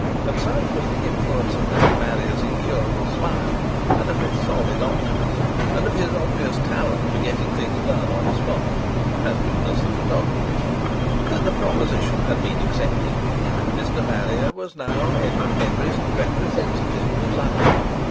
And such was the influence of Mr. Marrier's incurable smile and of his solid optimism and of his obvious talent for getting things done on the spot (as witness the photography), that the proposition had been accepted. Mr. Marrier was now Edward Henry's "representative" in London.